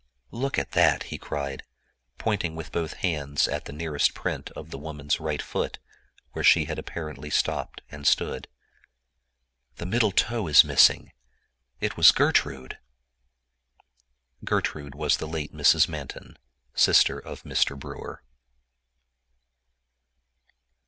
"Look at that!" he cried, pointing with both hands at the nearest print of the woman's right foot, where she had apparently stopped and stood. "The middle toe is missing—it was Gertrude!" Gertrude was the late Mrs. Manton, sister to Mr. Brewer.